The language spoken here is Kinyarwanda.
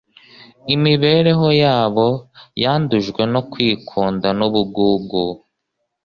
Imibereho yabo yandujwe no kwikunda n'ubugugu,